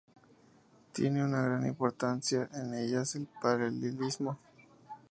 Tiene una gran importancia en ellas el paralelismo.